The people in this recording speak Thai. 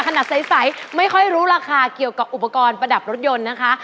ขนาดใสไม่ค่อยรู้ราคาเกี่ยวกับอุปกรณ์ประดับรถยนต์นะคะ